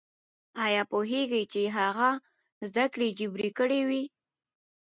ايا پوهېږئ چې هغه زده کړې جبري کړې وې؟